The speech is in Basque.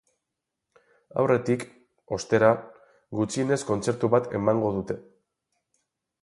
Aurretik, ostera, gutxienez kontzertu bat emango dute.